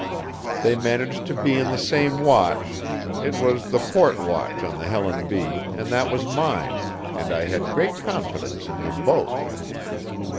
They managed to be in the same watch it was the port watch on the Helen B., and that was mine, and I had great confidence in them both.